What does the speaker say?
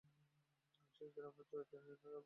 সেই গ্রামে এক চরিত্রহীনা নারী বাস করিত।